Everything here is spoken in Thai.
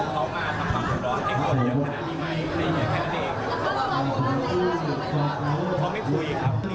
ทำไมไม่ใช่เพราะว่าให้ผลงานได้แค่นี้